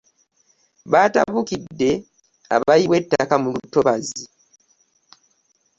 Batabukidde abayiwa ettaka mu lutobazzi.